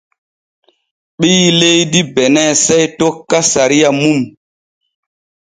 Ɓii leydi Bene sey tokka sariya mum.